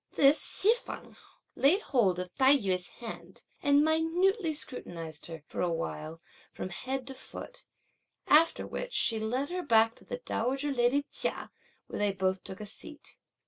This Hsi feng laid hold of Tai yü's hand, and minutely scrutinised her, for a while, from head to foot; after which she led her back next to dowager lady Chia, where they both took a seat.